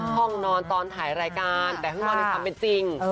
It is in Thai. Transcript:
ห้องนอนตอนถ่ายรายการแต่ห้องนอนในความเป็นจริง